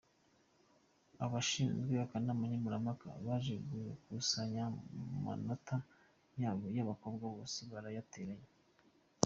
Abashinzwe akanama nkemurampaka baje gukusanya amanota y’abo bakobwa bose barayateranya.